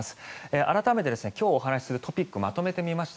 改めて今日お話しするトピックをまとめてみました。